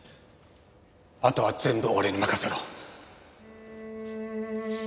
あとは全部俺に任せろ。